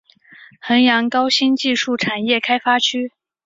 衡阳高新技术产业开发区